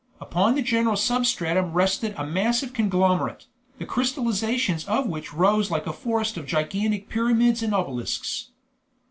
Upon the general substratum rested a massive conglomerate, the crystallizations of which rose like a forest of gigantic pyramids and obelisks.